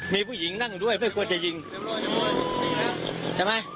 มีผู้หญิงนั่งด้วยไม่ควรจะยิงใช่ไหม